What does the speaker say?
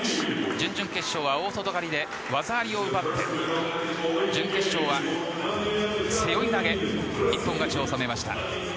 準々決勝は大外刈りで技ありを奪って準決勝は背負い投げ一本勝ちを収めました。